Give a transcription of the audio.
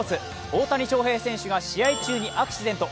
大谷翔平選手が試合中にアクシデント。